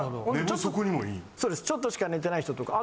ちょっとしか寝てない人とか。